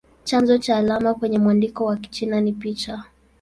Chanzo cha alama kwenye mwandiko wa Kichina ni picha.